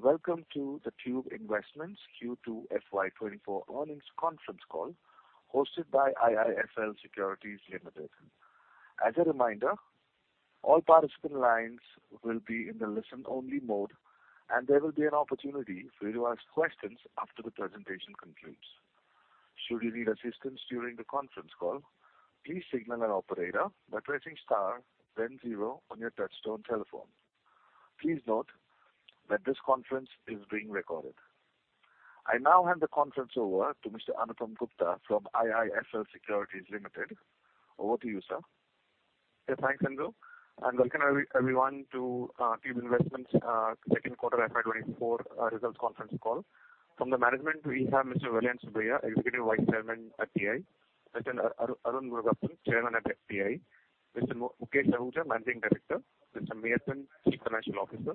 Good day, and welcome to the Tube Investments Q2 FY 2024 earnings conference call, hosted by IIFL Securities Ltd. As a reminder, all participant lines will be in the listen-only mode, and there will be an opportunity for you to ask questions after the presentation concludes. Should you need assistance during the conference call, please signal an operator by pressing star then zero on your touch-tone telephone. Please note that this conference is being recorded. I now hand the conference over to Mr. Anupam Gupta from IIFL Securities Ltd. Over to you, sir. Yeah, thanks, Andrew, and welcome everyone to Tube Investments Q2 FY 2024 results conference call. From the management, we have Mr. Vellayan Subbiah, Executive Vice Chairman at TI; Mr. Arun Murugappan, Chairman at TI; Mr. Mukesh Ahuja, Managing Director; Mr. Meyyappan, Chief Financial Officer;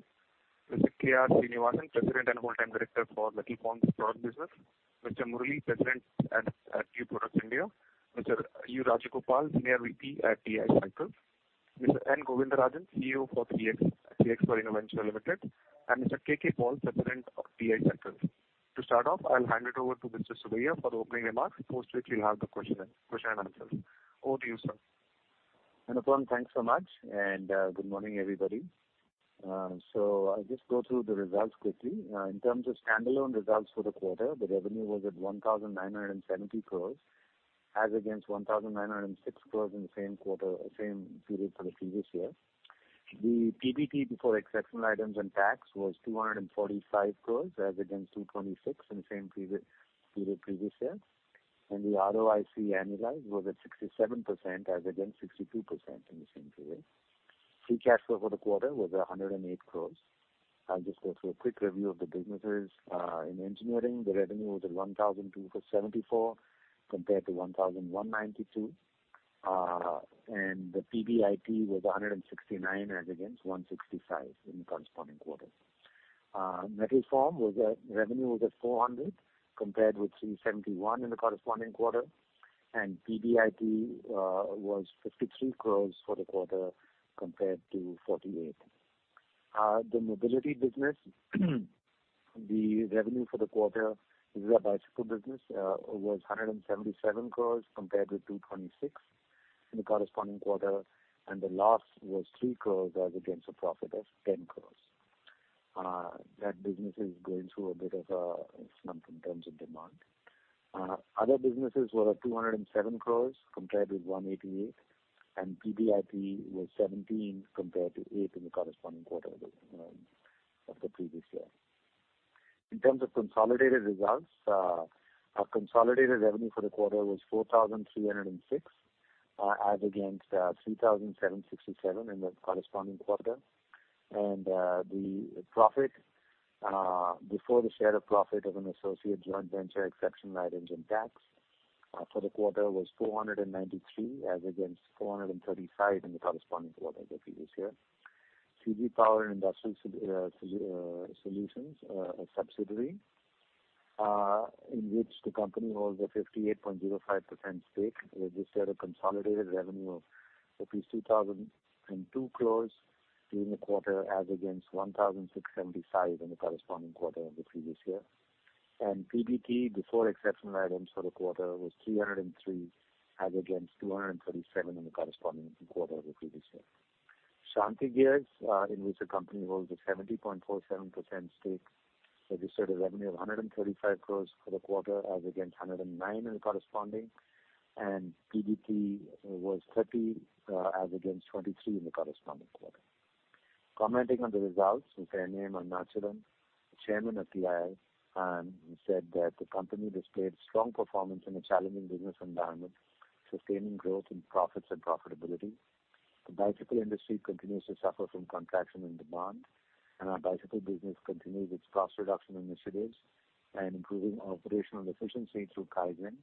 Mr. K.R. Srinivasan, President and Whole-Time Director for Metal Formed Products business; Mr. Murali, President at Tube Products of India; Mr. U. Rajagopal, Senior VP at TI Cycles; Mr. N. Govindarajan, CEO for 3xper Innoventure Limited, and Mr. K.K. Paul, President of TI Cycles. To start off, I'll hand it over to Mr. Subbiah for opening remarks, after which we'll have the question and answers. Over to you, sir. Anupam, thanks so much, and, good morning, everybody. So I'll just go through the results quickly. In terms of standalone results for the quarter, the revenue was at 1,970 crore, as against 1,906 crore in the same quarter, same period for the previous year. The PBT, before exceptional items and tax, was 245 crore as against 226 in the same period previous year. And the ROIC annualized was at 67% as against 62% in the same period. Free cash flow for the quarter was 108 crore. I'll just go through a quick review of the businesses. In engineering, the revenue was at 1,274 crore compared to 1,192 crore, and the PBIT was 169 crore as against 165 crore in the corresponding quarter. Metal form was at revenue was at 400 crore, compared with 371 crore in the corresponding quarter, and PBIT was 53 crore for the quarter, compared to 48 crore. The mobility business, the revenue for the quarter, this is our bicycle business, was 177 crore compared with 226 crore in the corresponding quarter, and the last was 3 crore as against a profit of 10 crore. That business is going through a bit of a slump in terms of demand. Other businesses were at 207 crore compared with 188 crore, and PBIT was 17 compared to eight in the corresponding quarter of the previous year. In terms of consolidated results, our consolidated revenue for the quarter was 4,306 crore as against 3,767 crore in the corresponding quarter. The profit before the share of profit of an associate joint venture exceptional items in tax for the quarter was 493 crore as against 435 crore in the corresponding quarter of the previous year. CG Power and Industrial Solutions, a subsidiary in which the company holds a 58.05% stake, registered a consolidated revenue of at least 2,002 crore during the quarter, as against 1,675 crore in the corresponding quarter of the previous year. PBT, before exceptional items for the quarter, was 303 crore, as against 237 crore in the corresponding quarter of the previous year. Shanthi Gears, in which the company holds a 70.47% stake, registered a revenue of 135 crore for the quarter, as against 109 crore in the corresponding, and PBT was 30 crore, as against 23 crore in the corresponding quarter. Commenting on the results, Mr. A. M. Arunachalam, the Chairman of TI, said that the company displayed strong performance in a challenging business environment, sustaining growth in profits and profitability. The bicycle industry continues to suffer from contraction in demand, and our bicycle business continues its cost reduction initiatives and improving operational efficiency through Kaizen.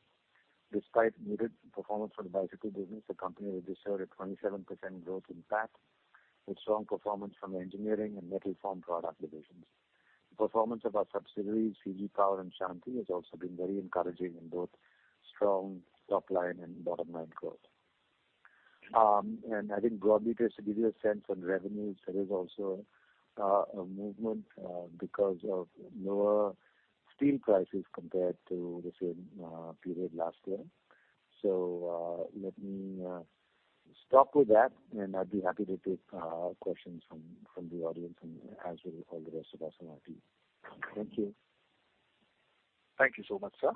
Despite muted performance for the bicycle business, the company registered a 27% growth in PAT, with strong performance from engineering and metal form product divisions. The performance of our subsidiaries, CG Power and Shanthi, has also been very encouraging in both strong top line and bottom line growth. I think broadly, just to give you a sense on revenues, there is also a movement because of lower steel prices compared to the same period last year. Let me stop with that, and I'd be happy to take questions from the audience and as will all the rest of us on our team. Thank you. Thank you so much, sir.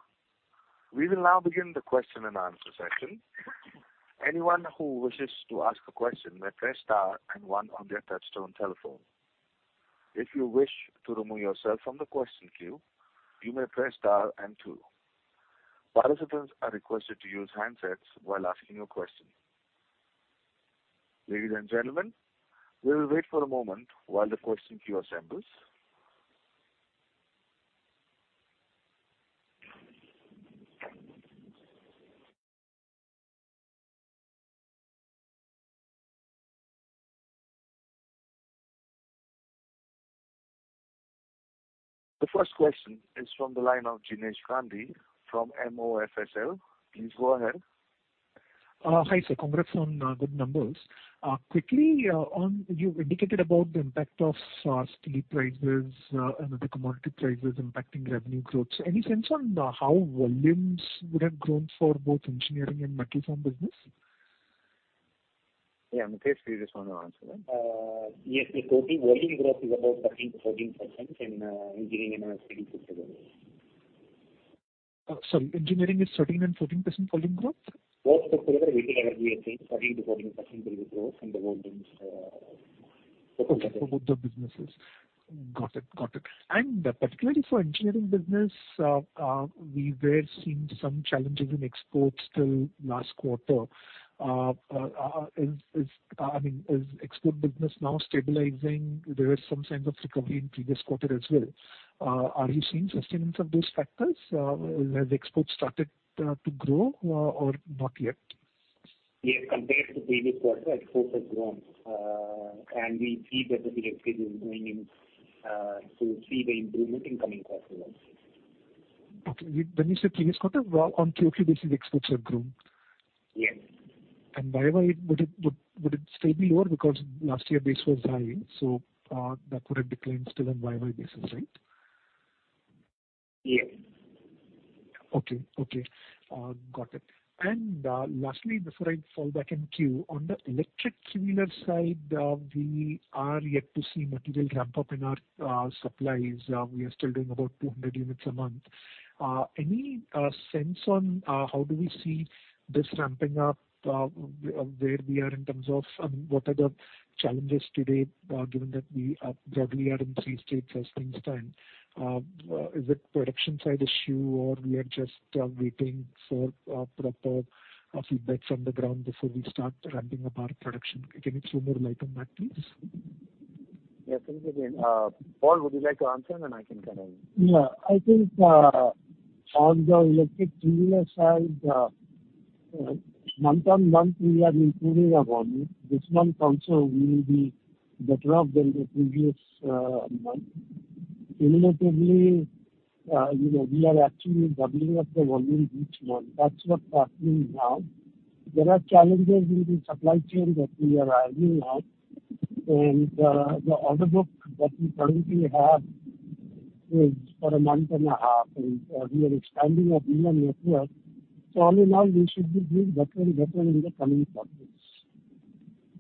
We will now begin the question and answer session. Anyone who wishes to ask a question may press star and one on their touchtone telephone. If you wish to remove yourself from the question queue, you may press star and two. Participants are requested to use handsets while asking your question. Ladies and gentlemen, we will wait for a moment while the question queue assembles. The first question is from the line of Jinesh Gandhi from MOFSL. Please go ahead. Hi, sir. Congrats on good numbers. Quickly, on you indicated about the impact of steel prices and other commodity prices impacting revenue growth. Any sense on how volumes would have grown for both engineering and metal form business? Yeah, Mukesh, do you just want to answer that? Yes, the total volume growth is about 13%-14% in engineering and steel together. Sorry, engineering is 13%-14% volume growth? Both put together, we think 13%-14% volume growth in the volumes. For both the businesses. Got it. Got it. And particularly for engineering business, we were seeing some challenges in exports till last quarter. I mean, is export business now stabilizing? There is some signs of recovery in previous quarter as well. Are you seeing sustenance of those factors? Has exports started to grow or not yet? Yes, compared to previous quarter, exports have grown, and we see that the trajectory is going in to see the improvement in coming quarters as well. Okay. When you say previous quarter, well, on QoQ basis, exports have grown? Yes. YoY, would it still be lower because last year's base was high, so that would have declined still on YoY basis, right? Yes. Okay, okay. Got it. And lastly, before I fall back in queue, on the electric three-wheeler side, we are yet to see material ramp up in our supplies. We are still doing about 200 units a month. Any sense on how do we see this ramping up, where we are in terms of, I mean, what are the challenges today, given that we are gradually in three states as things stand? Is it production side issue, or we are just waiting for proper feedback from the ground before we start ramping up our production? Can you throw more light on that, please? Yes, certainly. Paul, would you like to answer, and I can add on? Yeah, I think, on the electric three-wheeler side, month-on-month, we are improving the volume. This month will also be better off than the previous, month. Cumulatively, you know, we are actually doubling up the volume each month. That's what's happening now. There are challenges in the supply chain that we are ironing out, and, the order book that we currently have is for a month and a half, and we are expanding our dealer network. So all in all, we should be doing better and better in the coming quarters.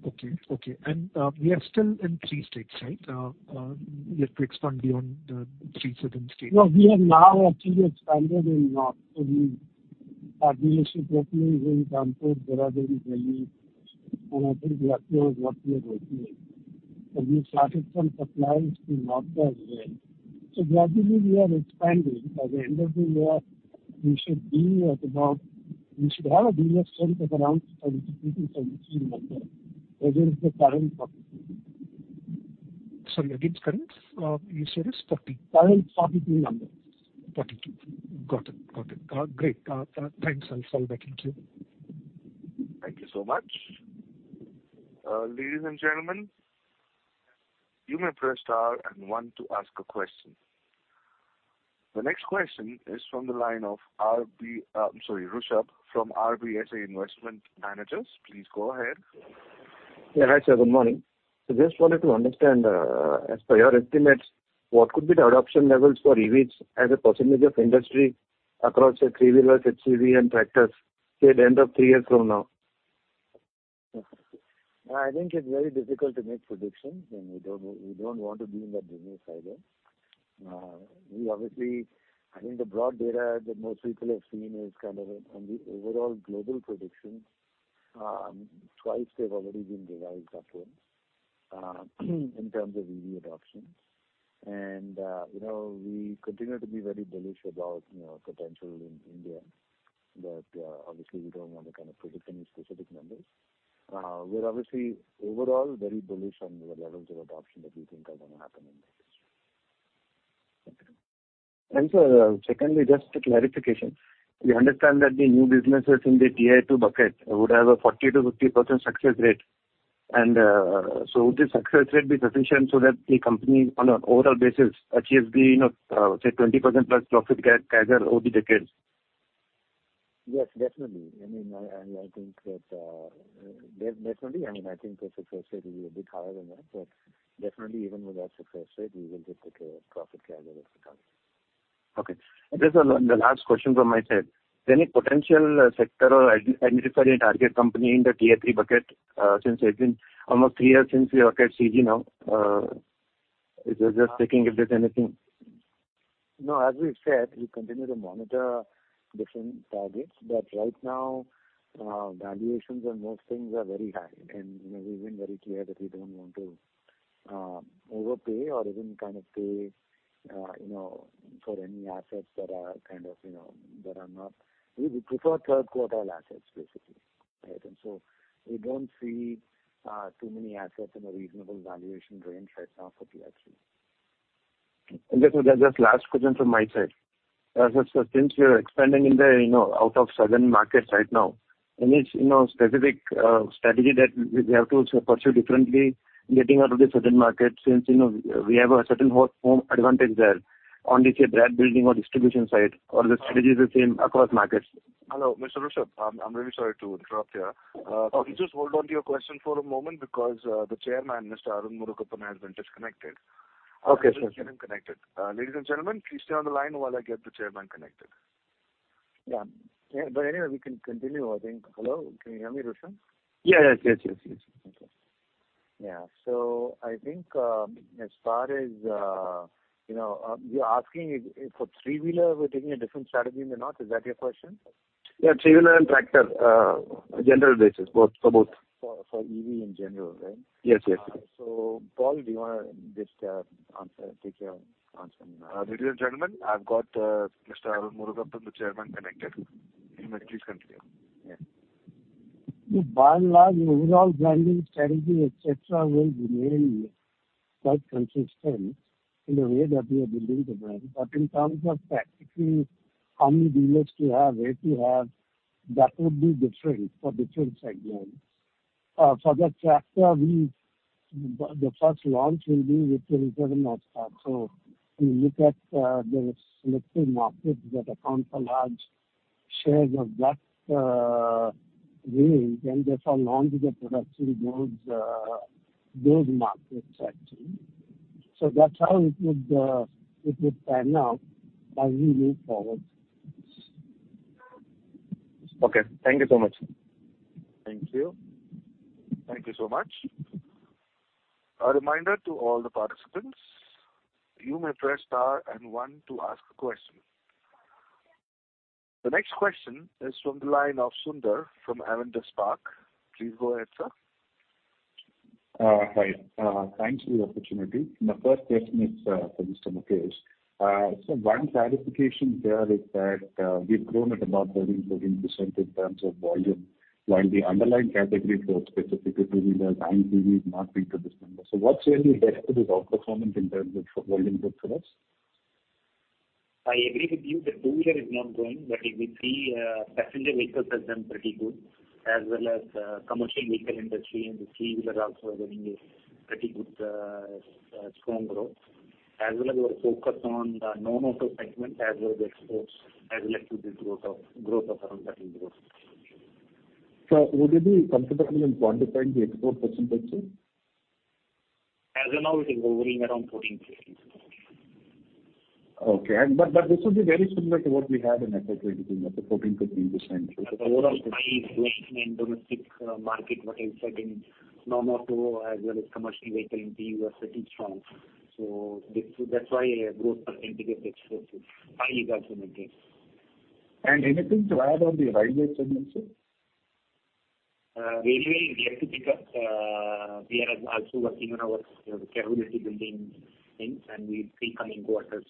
Okay, okay. We are still in three states, right? We have to expand beyond the three certain states. No, we have now actually expanded in north. So we are doing shop openings in Kanpur, Dehradun, Delhi, and other locations up there also. And we started some suppliers to north as well. So gradually we are expanding. By the end of the year, we should be at about, we should have a dealer strength of around 72-73 dealers as against the current 40. Sorry, against current, you said it's 40? Current 42 numbers. 42. Got it. Got it. Great. Thanks, I'll fall back in queue. Thank you so much. Ladies and gentlemen, you may press star and one to ask a question. The next question is from the line of Rishabh from RBSA Investment Managers. Please go ahead. Yeah, hi, sir. Good morning. So just wanted to understand, as per your estimates, what could be the adoption levels for EVs as a percentage of industry across your three-wheeler, HCV, and tractors at the end of three years from now? I think it's very difficult to make predictions, and we don't, we don't want to be in that business either. We obviously, I think the broad data that most people have seen is kind of on the overall global predictions, twice they've already been revised upwards, in terms of EV adoption. You know, we continue to be very bullish about, you know, potential in India, but, obviously, we don't want to kind of predict any specific numbers. We're obviously overall very bullish on the levels of adoption that we think are going to happen in the next year. Sir, secondly, just a clarification. We understand that the new businesses in the Tier 2 bucket would have a 40%-50% success rate. So would the success rate be sufficient so that the company, on an overall basis, achieves the, you know, say, 20%+ profit CAGR over the decades? Yes, definitely. I mean, I think that definitely, I mean, I think the success rate will be a bit higher than that, but definitely even with that success rate, we will get the profit CAGR as we can. Okay. Just the last question from my side. Any potential sector or identified a target company in the Tier 3 bucket? Since it's been almost three years since we looked at CG now, I was just checking if there's anything. No, as we've said, we continue to monitor different targets, but right now, valuations on most things are very high, and, you know, we've been very clear that we don't want to overpay or even kind of pay, you know, for any assets that are kind of, you know, that are not. We prefer Q3 assets, basically. Right, and so we don't see too many assets in a reasonable valuation range right now for Tier 3. Just last question from my side. So since you're expanding in the, you know, out of southern markets right now, any, you know, specific strategy that we have to pursue differently getting out of the southern market, since, you know, we have a certain home advantage there on, let's say, brand building or distribution side, or the strategy is the same across markets? Hello, Mr. Rishabh, I'm really sorry to interrupt here. Okay. Could you just hold on to your question for a moment because the chairman, Mr. Arun Murugappan, has been disconnected. Okay, sure. I will get him connected. Ladies and gentlemen, please stay on the line while I get the chairman connected. Yeah. But anyway, we can continue, I think. Hello, can you hear me, Rishabh? Yes, yes, yes, yes. Okay. Yeah. So I think, as far as, you know, you're asking if for three-wheeler, we're taking a different strategy or not, is that your question? Yeah, three-wheeler and tractor, general basis, both, for both. For EV in general, right? Yes, yes. Paul, do you wanna just answer, take your answer? Ladies and gentlemen, I've got, Mr. Arun Murugappan, the Chairman, connected. You may please continue. Yeah. By and large, the overall branding strategy, et cetera, will remain quite consistent in the way that we are building the brand. But in terms of practically how many dealers to have, where to have, that would be different for different segments. For the tractor, the first launch will be between July and August. So we look at the selected markets that account for large shares of that range, and therefore launch the product in those markets actually. So that's how it would pan out as we move forward. Okay, thank you so much. Thank you. Thank you so much. A reminder to all the participants, you may press Star and One to ask a question. The next question is from the line of Sunder, from Avendus Spark. Please go ahead, sir. Hi, thanks for the opportunity. My first question is for Mr. Mukesh. So one clarification here is that we've grown at about 13%-14% in terms of volume, while the underlying category growth, specifically the industry, is not been to this number. So what's really led to this outperformance in terms of volume growth for us? I agree with you that two-wheeler is not growing, but if we see, passenger vehicles has done pretty good, as well as commercial vehicle industry and the three-wheeler also are getting a pretty good strong growth. As well as our focus on the non-auto segment, as well as the exports, as well as to the growth of, growth of around 13%. Would you be comfortable in quantifying the export percentage? As of now, it is hovering around 14%-15%. Okay. This would be very similar to what we had in the past, the 14%-15%. The overall growth in domestic market, what I said in non-auto as well as commercial vehicle and three-wheeler are pretty strong. So this, that's why growth percentage get explosive. Volume is also in the game. Anything to add on the railway segment, sir? Railway, we have to pick up, we are also working on our capability building things, and we have three coming quarters,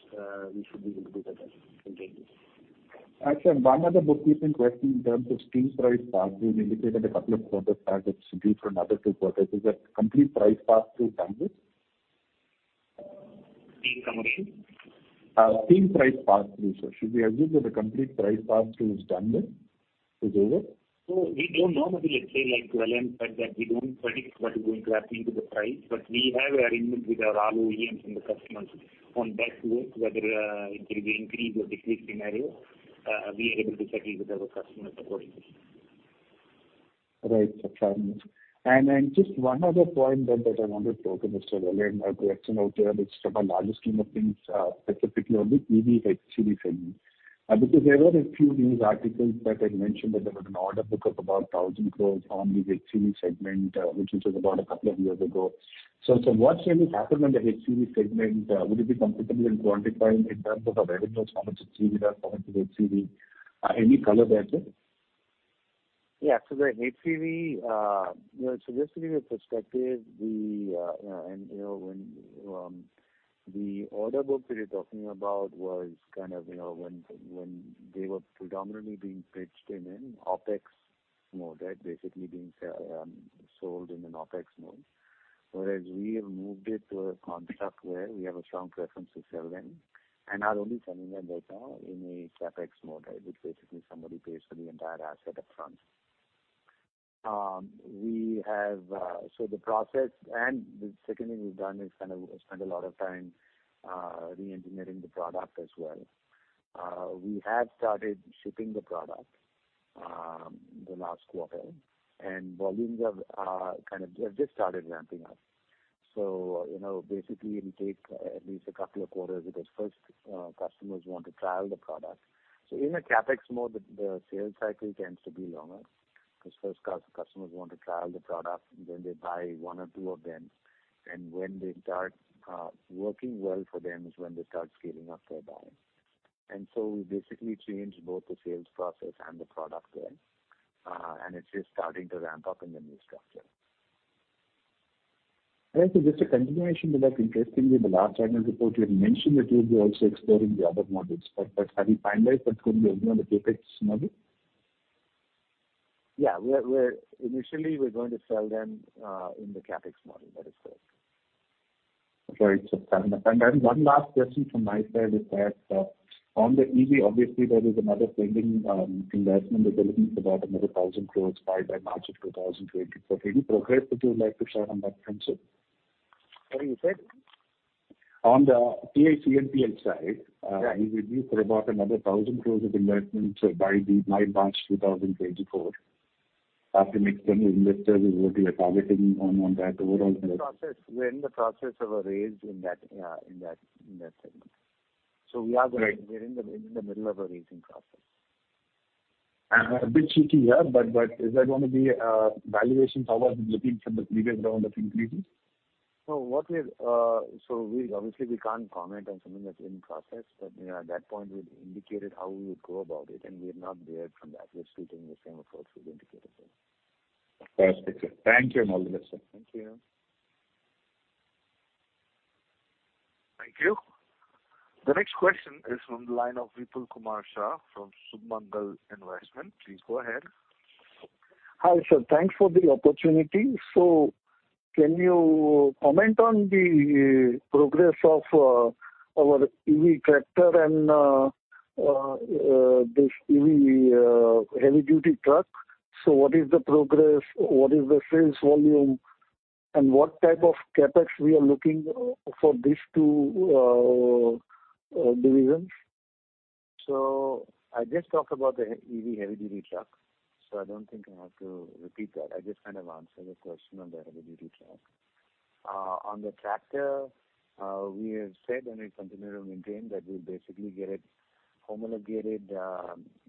we should be able to do better in trains. Sir, one other bookkeeping question in terms of steel price pass through, you indicated a couple of quarters back. It's different other two quarters. Is the complete price pass through done with? In commercial? Steel price pass through, sir. Should we agree that the complete price pass through is done with, is over? So we don't normally explain, like, well, like that, we don't predict what is going to happen to the price, but we have an arrangement with our OEMs and the customers on base work, whether it will be increase or decrease scenario, we are able to settle with our customers accordingly. Right. And just one other point that I wanted to talk to Mr. Vellayan to action out here, which is from a larger scheme of things, specifically on the EV, HCV segment. Because there were a few news articles that had mentioned that there was an order book of about 1,000 crore on the HCV segment, which was about a couple of years ago. So what really happened in the HCV segment? Would you be comfortable in quantifying in terms of the revenues, how much is HCV, how much is HCV? Any color there, sir? Yeah, so the HCV, you know, so just to give you a perspective, the order book that you're talking about was kind of, you know, when they were predominantly being pitched in an OpEx mode, right? Basically being sold in an OpEx mode. Whereas we have moved it to a construct where we have a strong preference to sell them, and are only selling them right now in a CapEx mode, right, which basically somebody pays for the entire asset up front. So the process and the second thing we've done is kind of spend a lot of time reengineering the product as well. We have started shipping the product in the last quarter, and volumes are kind of just started ramping up. So, you know, basically it'll take at least a couple of quarters, because first, customers want to trial the product. So in a CapEx mode, the, the sales cycle tends to be longer, because first customers want to trial the product, then they buy one or two of them. And when they start, working well for them is when they start scaling up their buying. And so we basically changed both the sales process and the product there, and it's just starting to ramp up in the new structure. So just a continuation with that, interestingly, in the last annual report, you had mentioned that you'll be also exploring the other models. But, but have you finalized that only on the CapEx model? ... Yeah, we're initially going to sell them in the CapEx model, that is correct. Right. So and, and one last question from my side is that, on the EV, obviously, there is another pending investment that is about another 1,000 crore by, by March of 2024. Any progress that you would like to share on that front, sir? Sorry, you said? On the TI CMPL side- Right. You said about another 1,000 crore of investment by March 2024. I think many investors is what you are targeting on that overall- In process. We're in the process of a raise in that, in that, in that segment. Right. We are going. We're in the middle of a raising process. A bit cheeky here, but, but is there going to be valuations how are looking from the previous round of increases? So we obviously can't comment on something that's in process, but you know, at that point, we've indicated how we would go about it, and we are not veered from that. We're still taking the same approach we've indicated then. Perfect, sir. Thank you, and all the best, sir. Thank you. Thank you. The next question is from the line of Vipul Kumar Shah from Sumangal Investment. Please go ahead. Hi, sir. Thanks for the opportunity. Can you comment on the progress of our EV tractor and this EV heavy-duty truck? What is the progress? What is the sales volume, and what type of CapEx we are looking for these two divisions? So I just talked about the EV heavy-duty truck, so I don't think I have to repeat that. I just kind of answered the question on the heavy-duty truck. On the tractor, we have said, and we continue to maintain, that we'll basically get it homologated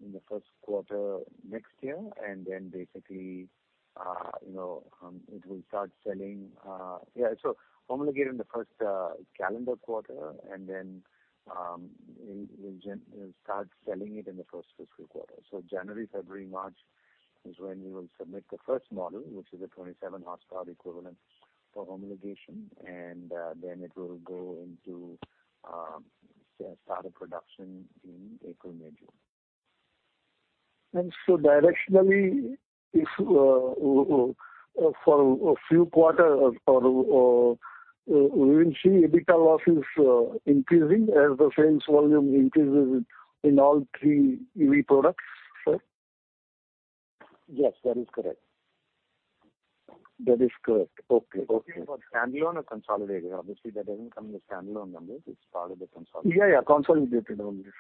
in the Q1 next year, and then basically, you know, it will start selling. Yeah, so homologated in the first calendar quarter, and then, we, we'll start selling it in the first fiscal quarter. So January, February, March is when we will submit the first model, which is a 27 horsepower equivalent for homologation, and then it will go into, say, start of production in April, May, June. So directionally, if for a few quarters or we will see EBITDA losses increasing as the sales volume increases in all three EV products, sir? Yes, that is correct. That is correct. Okay. Okay. standalone or consolidated. Obviously, that doesn't come in the standalone numbers. It's part of the consolidated. Yeah, yeah, consolidated numbers.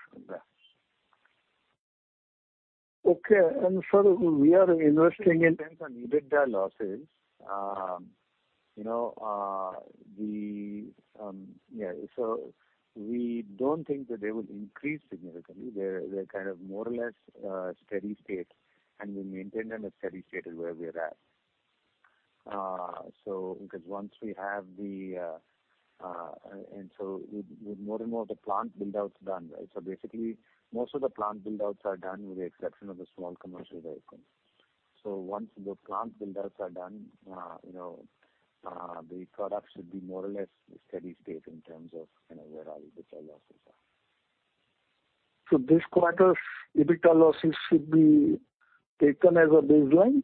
Okay, and sir, we are investing in- On EBITDA losses, you know. So we don't think that they will increase significantly. They're kind of more or less steady state, and we maintain them at steady state is where we're at. And so with more and more of the plant build-outs done, right? So basically, most of the plant build-outs are done with the exception of the small commercial vehicles. So once the plant build-outs are done, you know, the products should be more or less steady state in terms of, you know, where our EBITDA losses are. This quarter's EBITDA losses should be taken as a baseline?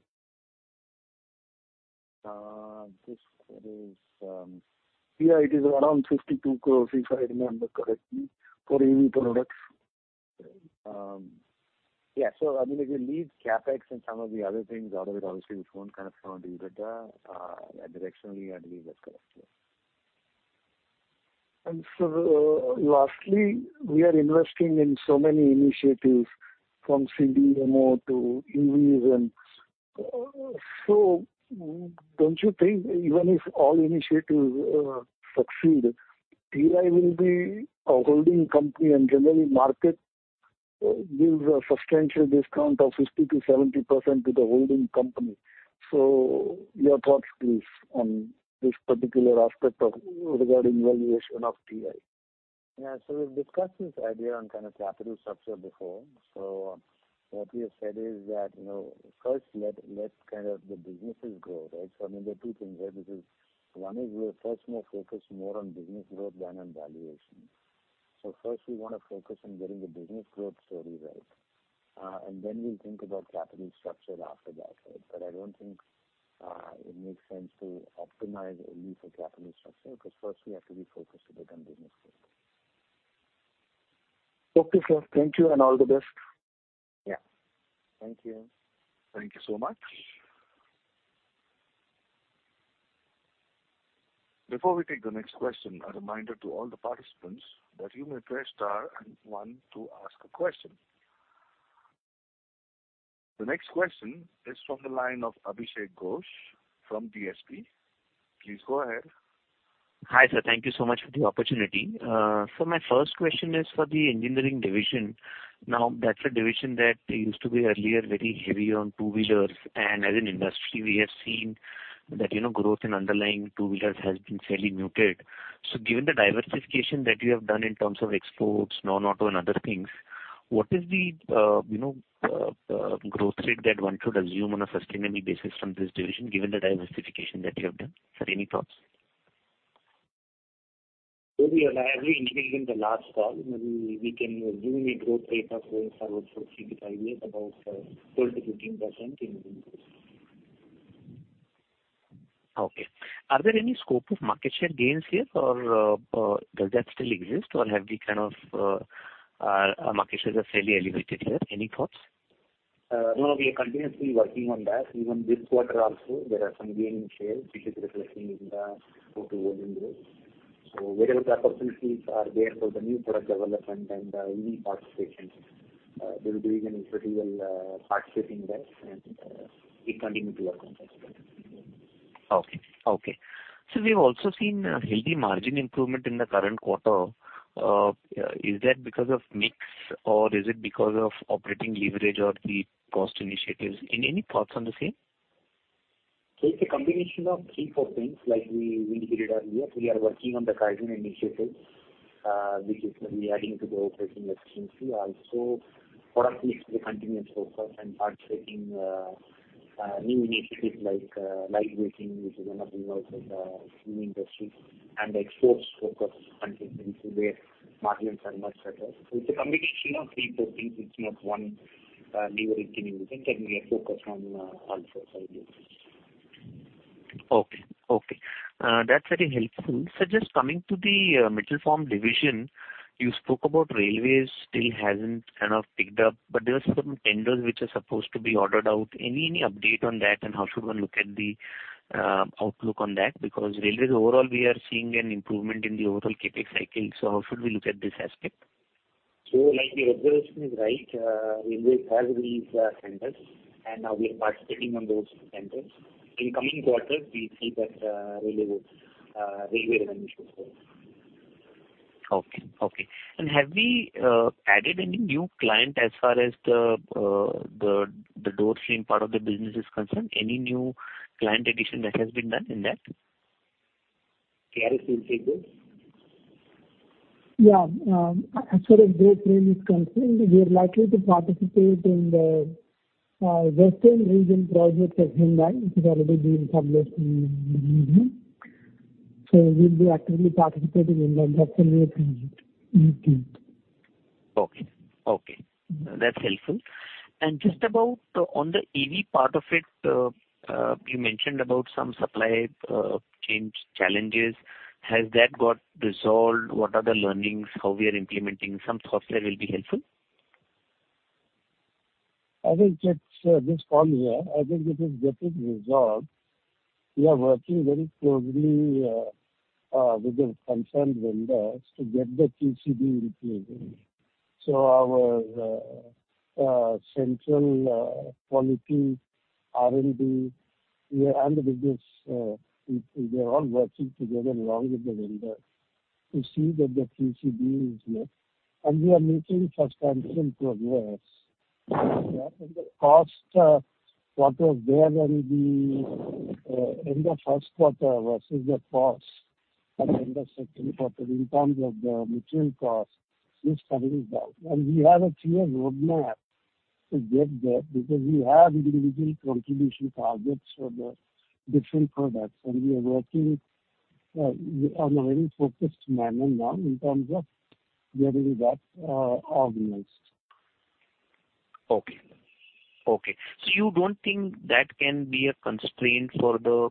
This is, Yeah, it is around 52 crore, if I remember correctly, for EV products. Yeah, so I mean, if you leave CapEx and some of the other things out of it, obviously, we won't kind of show EBITDA, but directionally, I believe that's correct, yeah. And so lastly, we are investing in so many initiatives from CDMO to EVs. So don't you think even if all initiatives succeed, TI will be a holding company, and generally, market gives a substantial discount of 50%-70% to the holding company. So your thoughts, please, on this particular aspect of regarding valuation of TI? Yeah, so we've discussed this idea on kind of capital structure before. So what we have said is that, you know, first, let's kind of the businesses grow, right? So I mean, there are two things here. This is, one is we are first more focused on business growth than on valuation. So first, we want to focus on getting the business growth story right, and then we'll think about capital structure after that, right? But I don't think it makes sense to optimize only for capital structure, because first we have to be focused to get on business growth. Okay, sir. Thank you, and all the best. Yeah. Thank you. Thank you so much. Before we take the next question, a reminder to all the participants that you may press Star and one to ask a question. The next question is from the line of Abhishek Ghosh from DSP. Please go ahead. Hi, sir. Thank you so much for the opportunity. So my first question is for the engineering division. Now, that's a division that used to be earlier very heavy on two-wheelers, and as an industry, we have seen that, you know, growth in underlying two-wheelers has been fairly muted. So given the diversification that you have done in terms of exports, non-auto and other things, what is the, you know, growth rate that one should assume on a sustainable basis from this division, given the diversification that you have done? Sir, any thoughts? So we are likely, including the last call, we can give you a growth rate of around three to five years, about 12%-15% in growth. Okay. Are there any scope of market share gains here, or does that still exist, or have we kind of, our market shares are fairly elevated here? Any thoughts? No, we are continuously working on that. Even this quarter also, there are some gains in shares, which is reflecting in the quarter volume growth. So wherever the opportunities are there for the new product development and any participation, we'll do an individual, participating there, and, we continue to work on that. Okay. Okay. So we've also seen a healthy margin improvement in the current quarter. Is that because of mix, or is it because of operating leverage or the cost initiatives? Any, any thoughts on the same? So it's a combination of three, four things. Like we indicated earlier, we are working on the carbon initiatives, which is adding to the operating efficiency. Also, product mix is a continuous focus, and participating new initiatives like light weighting, which is one of the new industries, and the export focus continues to where margins are much better. So it's a combination of three, four things. It's not one leveraging anything, and we are focused on all four sides. Okay. Okay, that's very helpful. So just coming to the metal form division, you spoke about railways still hasn't kind of picked up, but there are some tenders which are supposed to be ordered out. Any update on that, and how should one look at the outlook on that? Because railways overall, we are seeing an improvement in the overall CapEx cycle, so how should we look at this aspect? Like your observation is right. Railway has these tenders, and now we are participating in those tenders. In coming quarters, we see that railway revenue should grow. Okay. Okay. And have we added any new client as far as the door frame part of the business is concerned? Any new client addition that has been done in that? Arun, you will take this? Yeah, as far as door frame is concerned, we are likely to participate in the western region project of Vande Bharat, which has already been published in the media. So we'll be actively participating in that. That's a new project. Okay. Okay, that's helpful. And just about on the EV part of it, you mentioned about some supply chains challenges. Has that got resolved? What are the learnings, how we are implementing? Some software will be helpful. I think it's this call here, I think it is getting resolved. We are working very closely with the concerned vendors to get the TCU replaced. So our central quality R&D, we are all working together along with the vendor to see that the TCU is here. And we are making substantial progress. Yeah, and the cost what was there will be in the Q1 versus the cost at the end of Q2 in terms of the material cost, this coming down. And we have a clear roadmap to get there, because we have individual contribution targets for the different products, and we are working on a very focused manner now in terms of getting that organized. Okay. Okay. So you don't think that can be a constraint for the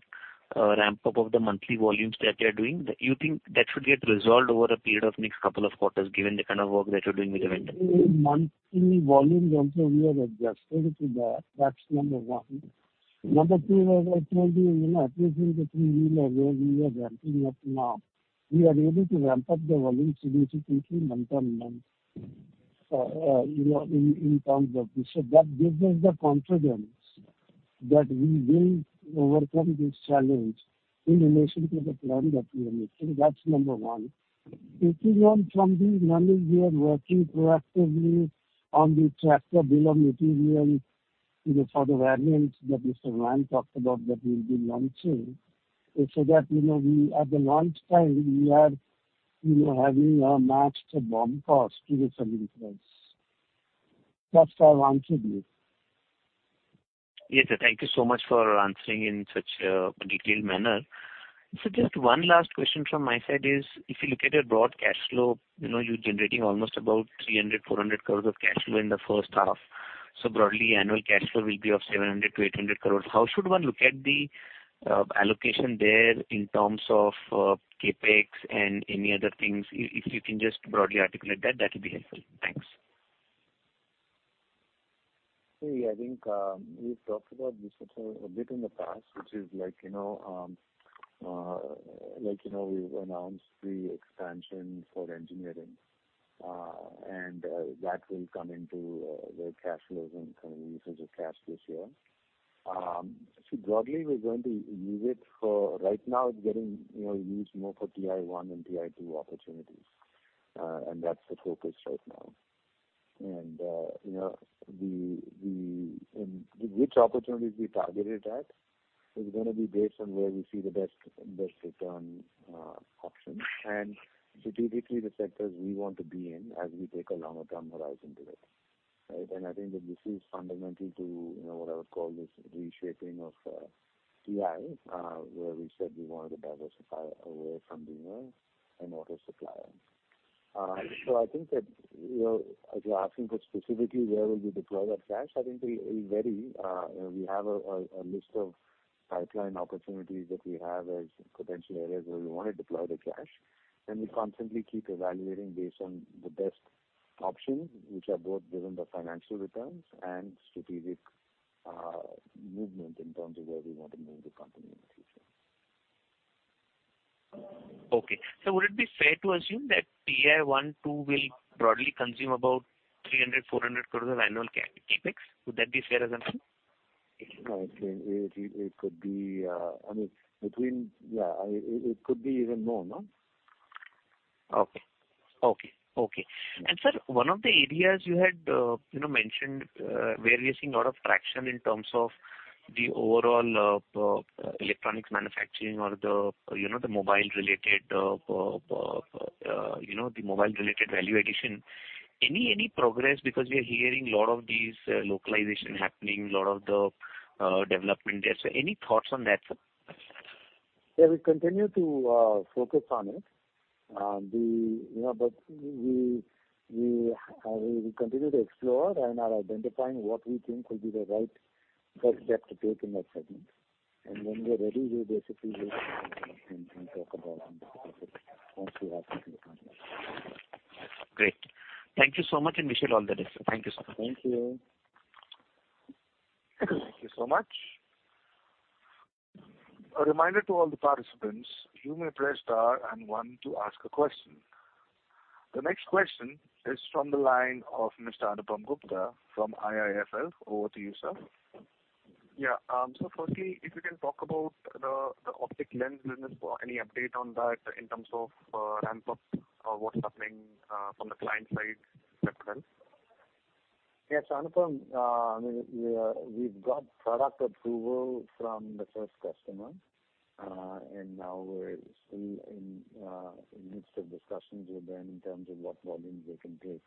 ramp-up of the monthly volumes that you are doing? You think that should get resolved over a period of next couple of quarters, given the kind of work that you're doing with the vendor? Monthly volumes also we are adjusted to that. That's number one. Number two, as I told you, you know, at least in the three years where we are ramping up now, we are able to ramp up the volumes significantly month-on-month, you know, in terms of this. So that gives us the confidence that we will overcome this challenge in relation to the plan that we are making. That's number one. Taking on from this learning, we are working proactively on the tractor bill of materials, you know, for the variants that Mr. Vellayan talked about, that we'll be launching, so that, you know, we at the launch time, we are, you know, having a matched BOM cost to the selling price. That's how I answered you. Yes, sir. Thank you so much for answering in such a detailed manner. So just one last question from my side is, if you look at your broad cash flow, you know, you're generating almost about 300-400 crore of cash flow in the first half. So broadly, annual cash flow will be of 700-800 crore. How should one look at the allocation there in terms of CapEx and any other things? If you can just broadly articulate that, that would be helpful. Thanks. Hey, I think we've talked about this a bit in the past, which is like, you know, like, you know, we've announced the expansion for engineering, and that will come into the cash flows and kind of usage of cash this year. So broadly, we're going to use it for... Right now, it's getting, you know, used more for TI 1 and TI 2 opportunities, and that's the focus right now. And, you know, the and which opportunities we targeted at is gonna be based on where we see the best return option. Strategically, the sectors we want to be in as we take a longer-term horizon to it. I think that this is fundamental to, you know, what I would call this reshaping of TI, where we said we wanted to diversify away from the an auto supplier. So I think that, you know, if you're asking for specifically where will we deploy that cash, I think it will vary. We have a list of pipeline opportunities that we have as potential areas where we want to deploy the cash, and we constantly keep evaluating based on the best options, which are both given the financial returns and strategic movement in terms of where we want to move the company in the future. Okay. So would it be fair to assume that TI 1, TI 2 will broadly consume about 300 crore-400 crore of annual CapEx? Would that be a fair assumption? It could be, I mean, between-- Yeah, it could be even more, no? Okay. Okay, okay. And sir, one of the areas you had, you know, mentioned, where we are seeing a lot of traction in terms of the overall, electronics manufacturing or the, you know, the mobile-related, you know, the mobile-related value addition. Any progress? Because we are hearing a lot of these, localization happening, a lot of the, development there. So any thoughts on that, sir? Yeah, we continue to focus on it. You know, but we continue to explore and are identifying what we think will be the right first step to take in that segment. And when we are ready, we'll basically and talk about it. Thanks for asking the question. Great. Thank you so much, and wish you all the best. Thank you, sir. Thank you. Thank you so much. A reminder to all the participants, you may press Star and One to ask a question. The next question is from the line of Mr. Anupam Gupta from IIFL. Over to you, sir. Yeah. So firstly, if you can talk about the, the optic lens business, any update on that in terms of, ramp-up, what's happening, from the client side perspective? Yes, Anupam. I mean, we've got product approval from the first customer, and now we're still in midst of discussions with them in terms of what volumes they can take,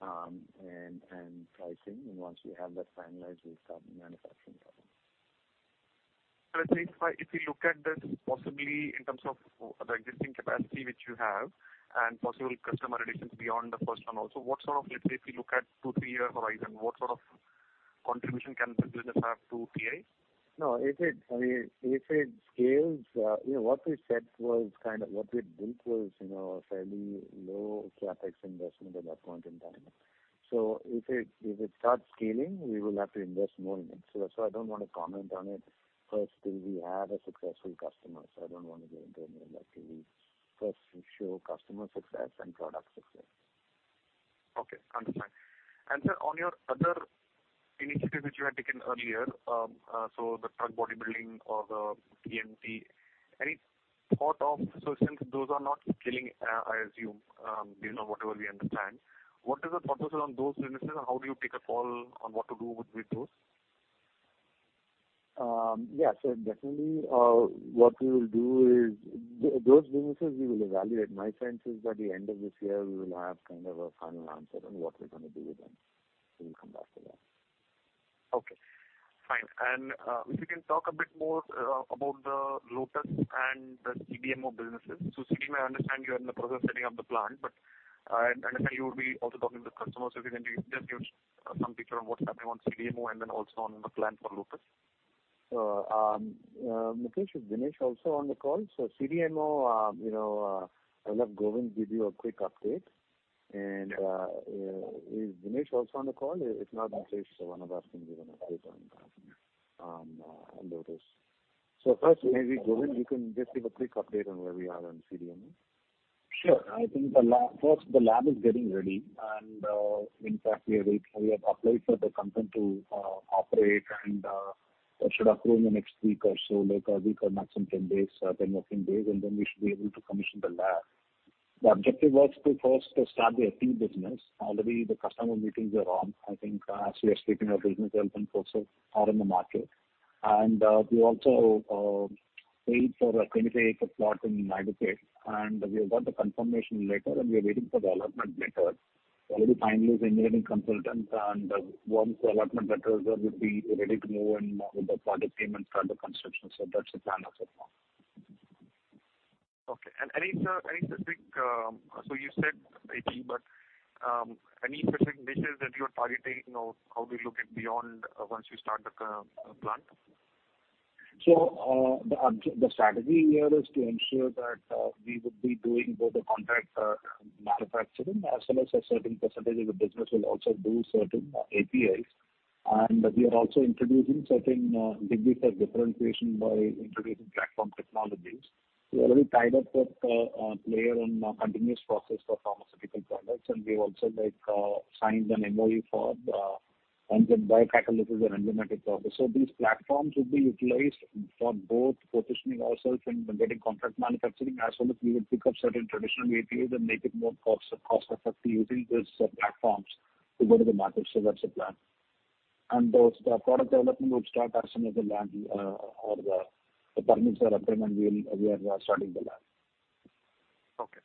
and, and pricing. And once we have that finalized, we'll start manufacturing product. Let's say if you look at this possibly in terms of the existing capacity which you have and possible customer additions beyond the first one. Also, what sort of, let's say, if you look at two-three years horizon, what sort of contribution can the business have to TI? No, if it, I mean, if it scales, you know, what we said was kind of what we built was, you know, a fairly low CapEx investment at that point in time. So if it, if it starts scaling, we will have to invest more in it. So that's why I don't want to comment on it first, till we have a successful customer. So I don't want to get into any of that till we first show customer success and product success. Okay, understand. And sir, on your other initiative, which you had taken earlier, so the truck body building or the TMT, any thought of... So since those are not scaling, I assume, based on whatever we understand, what is the thought process on those businesses, and how do you take a call on what to do with, with those? Yeah. So definitely, what we will do is those businesses we will evaluate. My sense is by the end of this year, we will have kind of a final answer on what we're going to do with them. So we'll come back to that. Okay, fine. And, if you can talk a bit more, about the Lotus and the CDMO businesses. So CDMO, I understand you are in the process of setting up the plant, but, I understand you will be also talking to the customers. So if you can just give some picture on what's happening on CDMO and then also on the plan for Lotus. Mukesh, is Dinesh also on the call? CDMO, you know, I'll let Govind give you a quick update. Is Dinesh also on the call? If not, Mukesh, one of us can give an update on Lotus. First, maybe, Govind, you can just give a quick update on where we are on CDMO. Sure. I think First, the lab is getting ready, and, in fact, we are waiting. We have applied for the company to operate, and that should approve in the next week or so, like a week or maximum 10 days, 10 working days, and then we should be able to commission the lab. The objective was to first to start the API business. Already the customer meetings are on. I think as we are speaking, our business development forces are in the market. And, we also, paid for a 20-acre plot in Hyderabad, and we have got the confirmation letter, and we are waiting for the allotment letter. Already finalized engineering consultants, and once the allotment letter is there, we'll be ready to move in with the project team and start the construction. So that's the plan as of now. Okay. And any, sir, any specific? So you said AP, but any specific niches that you are targeting or how we look at beyond once you start the plant? So, the strategy here is to ensure that we would be doing both the contract manufacturing as well as a certain percentage of the business will also do certain APIs. And we are also introducing certain degrees of differentiation by introducing platform technologies. We are already tied up with a player on continuous process for pharmaceutical products, and we have also, like, signed an MOU for enzyme biocatalysis and enzymatic process. So these platforms would be utilized for both positioning ourselves and getting contract manufacturing, as well as we would pick up certain traditional APIs and make it more cost-effective using these platforms to go to the market. So that's the plan. And the product development would start as soon as the land or the permits are obtained, and we are starting the lab. Okay.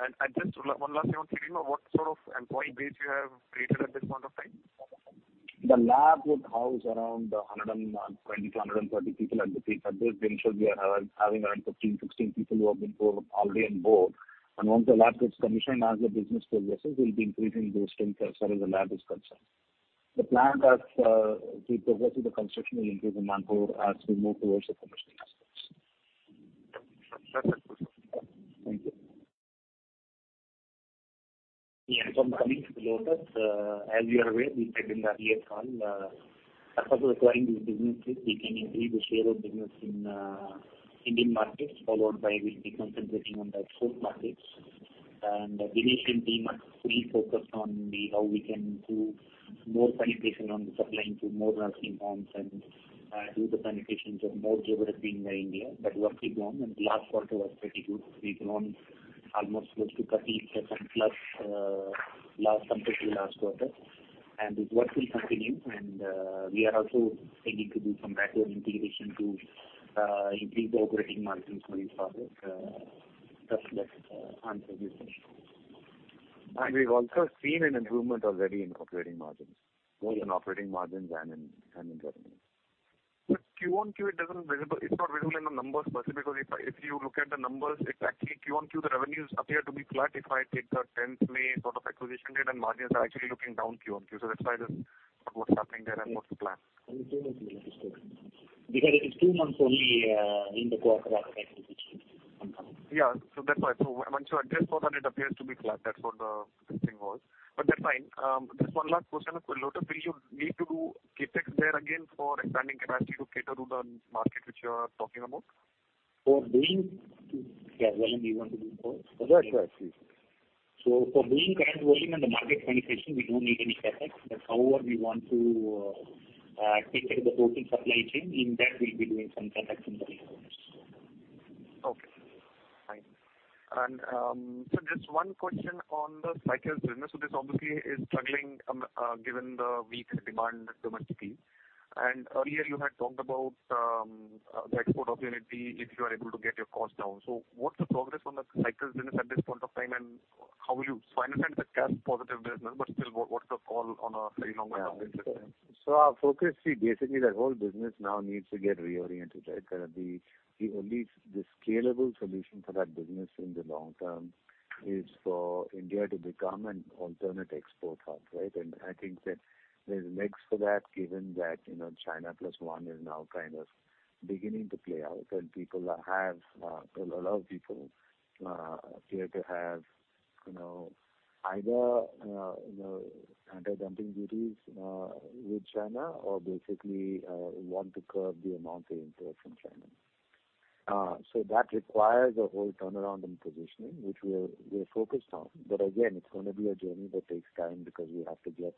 And, just one last thing on hiring, what sort of employee base you have created at this point of time? The lab would house around 120-130 people at the peak. At this venture, we are having around 15, 16 people who have been onboard, already on board. And once the lab gets commissioned as the business progresses, we'll be increasing those things as far as the lab is concerned. The plan as we progress with the construction, will increase the manpower as we move towards the commissioning aspects. Thank you. Yeah, coming to the Lotus, as you are aware, we said in the earlier call, as far as acquiring these businesses, we can increase the share of business in Indian markets, followed by we'll be concentrating on the export markets. And the domestic team are fully focused on how we can do more penetration on the supplying to more nursing homes and do the penetration of more geographies in India. That work is on, and last quarter was pretty good. We've grown almost close to 30%+, compared to last quarter. And this work will continue, and we are also seeking to do some backward integration to increase the operating margins for this product. That's answer your question. We've also seen an improvement already in operating margins. Both in operating margins and in revenues. But QOQ, it doesn't visible, it's not visible in the numbers, especially because if you look at the numbers, it's actually QOQ, the revenues appear to be flat. If I take the 10th May sort of acquisition date, and margins are actually looking down QOQ. So that's why the, what's happening there and what's the plan? Because it is two months only in the quarter. Yeah. So that's why. So once you adjust for that, it appears to be flat. That's what the thing was. But that's fine. Just one last question on Lotus. Will you need to do CapEx there again for expanding capacity to cater to the market, which you are talking about? Yeah, Vellayan, do you want to do this? Sure, sure. So for doing current volume and the market penetration, we don't need any CapEx. But however, we want to take care of the total supply chain. In that, we'll be doing some CapEx in the coming quarters. Okay. Fine. And so just one question on the Cycles business. So this obviously is struggling, given the weak demand domestically. And earlier, you had talked about the export opportunity, if you are able to get your costs down. So what's the progress on the Cycles business at this point of time, and how will you... So I understand it's a cash positive business, but still, what's the call on a very long-term business? So our focus, see, basically, the whole business now needs to get reoriented, right? The only scalable solution for that business in the long term is for India to become an alternate export hub, right? And I think that there's legs for that, given that, you know, China Plus One is now kind of beginning to play out, and people have, a lot of people appear to have, you know, either anti-dumping duties with China or basically want to curb the amount they import from China. So that requires a whole turnaround in positioning, which we're focused on. But again, it's gonna be a journey that takes time because we have to get,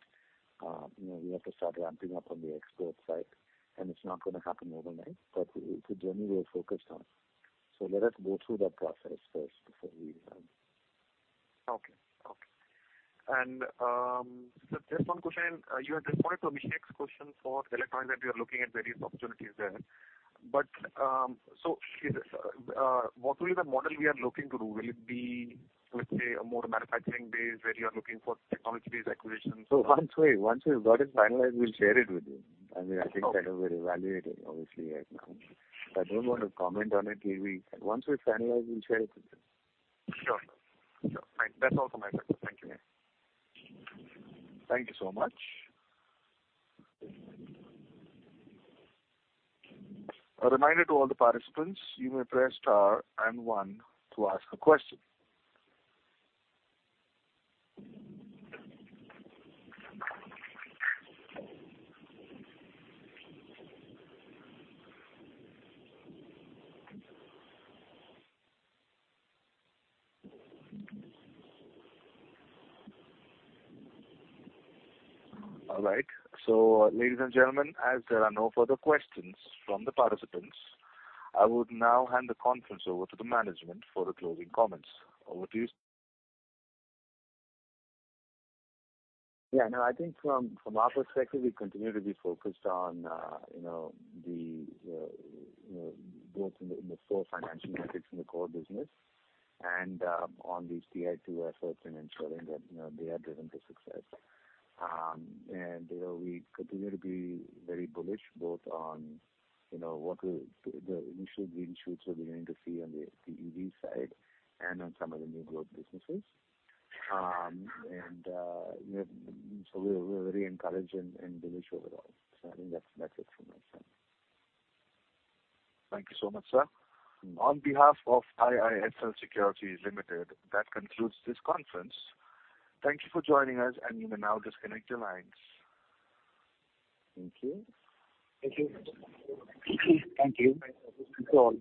you know, we have to start ramping up on the export side, and it's not gonna happen overnight. It's a journey we are focused on. Let us go through that process first before we, Okay. Just one question. You had responded to Abhishek's question for Electronics, that you are looking at various opportunities there. What will be the model we are looking to do? Will it be, let's say, a more manufacturing base, where you are looking for technology-based acquisitions? So once we've got it finalized, we'll share it with you. I mean, I think that we're evaluating obviously right now. I don't want to comment on it till we... Once we finalize, we'll share it with you. Sure. Sure. That's all from my side. Thank you. Thank you so much. A reminder to all the participants, you may press Star and One to ask a question. All right. So, ladies and gentlemen, as there are no further questions from the participants, I would now hand the conference over to the management for the closing comments. Over to you. Yeah, no, I think from our perspective, we continue to be focused on, you know, the, you know, both in the core financial metrics in the core business and on the TI 2 efforts and ensuring that, you know, they are driven to success. And, you know, we continue to be very bullish both on, you know, what we, the initial green shoots we're beginning to see on the EV side and on some of the new growth businesses. And, so we're very encouraged and bullish overall. So I think that's it from my side. Thank you so much, sir. On behalf of IIFL Securities Limited, that concludes this conference. Thank you for joining us, and you may now disconnect your lines. Thank you. Thank you. Thank you. Thank you all.